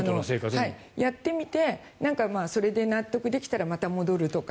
やってみてそれで納得できたらまた戻るとか。